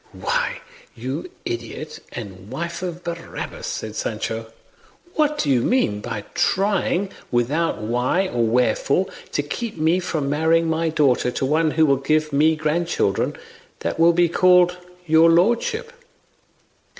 "Why, you idiot and wife for Barabbas," said Sancho, "what do you mean by trying, without why or wherefore, to keep me from marrying my daughter to one who will give me grandchildren that will be called 'your lordship'?